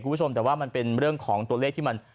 คุณผู้ชมแต่ว่ามันเป็นเรื่องของตัวเลขที่มัน